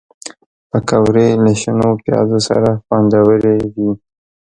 پکورې له شنو پیازو سره خوندورې وي